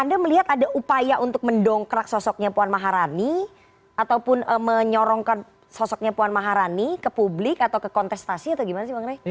anda melihat ada upaya untuk mendongkrak sosoknya puan maharani ataupun menyorongkan sosoknya puan maharani ke publik atau ke kontestasi atau gimana sih bang rey